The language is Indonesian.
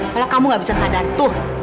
kalau kamu gak bisa sadar tuh